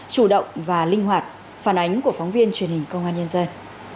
chủ động và linh hoạt phản ánh của phóng viên truyền hình công an nhân dân